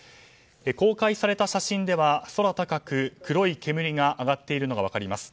公開された写真では空高く黒い煙が上がっているのが分かります。